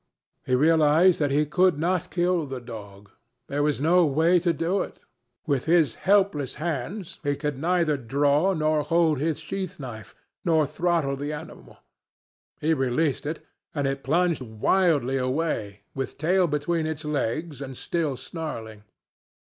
He realized that he could not kill the dog. There was no way to do it. With his helpless hands he could neither draw nor hold his sheath knife nor throttle the animal. He released it, and it plunged wildly away, with tail between its legs, and still snarling.